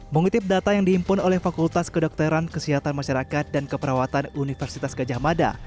mengutip data yang diimpun oleh fakultas kedokteran kesehatan masyarakat dan keperawatan universitas gajah mada